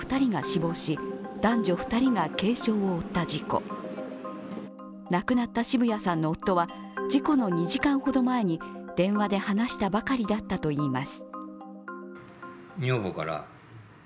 亡くなった渋谷さんの夫は事故の２時間ほど前に電話で話したばかりだったといいます。